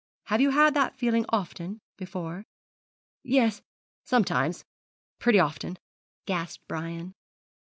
'Have you had that feeling often before?' 'Yes sometimes pretty often,' gasped Brian.